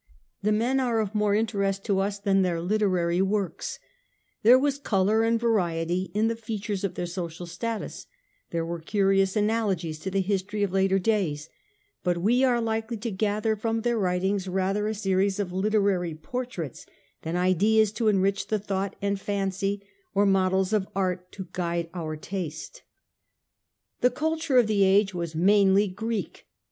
The men are of more interest to us than their works. There was colour and variety in the features of their social status ; there were curious analogies to the history of later days ; but we are likely to gather from their writings rather a series of literary portraits, than ideas to enrich the thought and fancy, or models of art to guide our taste. 1 66 The Age of the Antonines. cu. viii. The culture of the age was mainly Greek.